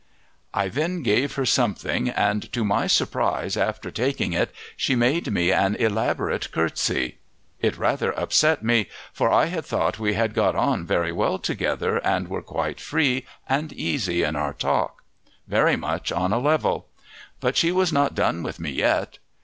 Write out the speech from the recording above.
I then gave her something, and to my surprise after taking it she made me an elaborate curtsy. It rather upset me, for I had thought we had got on very well together and were quite free and easy in our talk, very much on a level. But she was not done with me yet.